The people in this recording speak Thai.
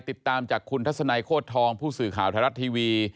ติดตามจากคุณทัศนัยโคตรทองผู้สื่อข่าวไทยรัฐทีวี